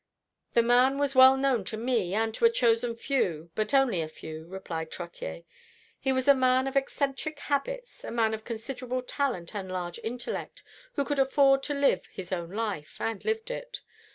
"The man was well known to me and to a chosen few, but only a few," replied Trottier. "He was a man of eccentric habits a man of considerable talent and large intellect, who could afford to live his own life, and lived it.